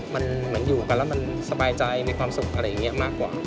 มันเหมือนอยู่กันแล้วมันสบายใจมีความสุขอะไรอย่างนี้มากกว่า